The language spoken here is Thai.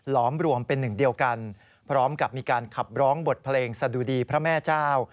อมรวมเป็นหนึ่งเดียวกันพร้อมกับมีการขับร้องบทเพลงสะดุดีพระแม่เจ้า